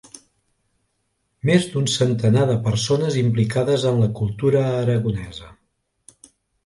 Més d'un centenar de persones implicades en la cultura aragonesa.